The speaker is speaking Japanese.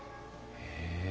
へえ！